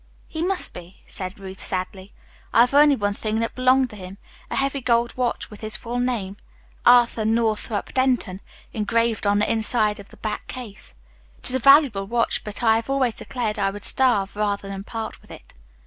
"He must be," said Ruth sadly. "I have only one thing that belonged to him, a heavy gold watch with his full name, 'Arthur Northrup Denton,' engraved on the inside of the back case. It is a valuable watch, but I have always declared I would starve rather than part with it."